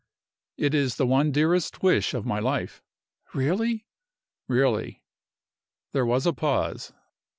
"It is the one dearest wish of my life." "Really?" "Really." There was a pause.